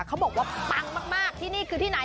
เขาบอกว่าปังมากที่นี่คือที่ไหน